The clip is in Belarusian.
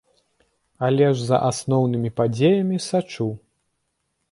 Але ж за асноўнымі падзеямі сачу.